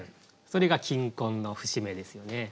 それが金婚の節目ですよね。